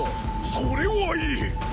それはいい！